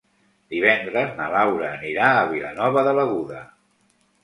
Divendres na Laura anirà a Vilanova de l'Aguda.